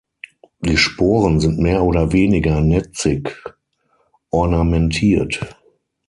Die Sporen sind mehr oder weniger netzig ornamentiert.